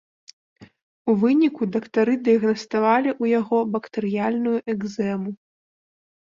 У выніку дактары дыягнаставалі ў яго бактэрыяльную экзэму.